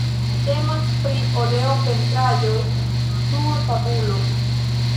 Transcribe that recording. Temas pri oleo-pentraĵoj sur tabulo.